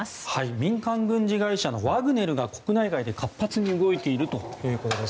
民間軍事会社のワグネルが国内外で活発に動いているということです。